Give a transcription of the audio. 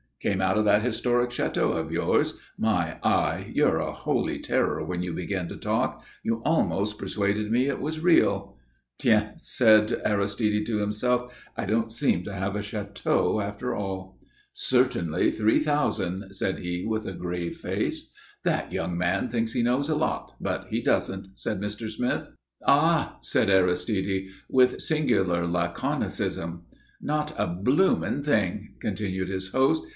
"Came out of that historic château of yours. My eye! you're a holy terror when you begin to talk. You almost persuaded me it was real." "Tiens!" said Aristide to himself. "I don't seem to have a château after all." "Certainly three thousand," said he, with a grave face. "That young man thinks he knows a lot, but he doesn't," said Mr. Smith. "Ah!" said Aristide, with singular laconicism. "Not a blooming thing," continued his host.